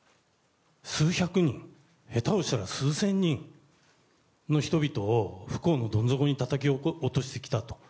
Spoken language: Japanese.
数百人、下手したら数千人の人々を不幸のどん底にたたき落としてきたと。